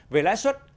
về lãi suất